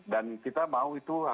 dan kita mau itu hasilnya